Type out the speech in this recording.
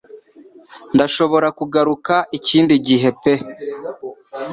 ndashobora kugaruka ikindi gihepe